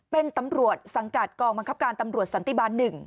เป็นตำรวจสังกัดกองบังคับการตำรวจสันติบาล๑